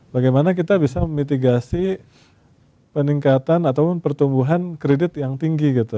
bagaimana kita bisa memitigasi peningkatan ataupun pertumbuhan kredit yang tinggi gitu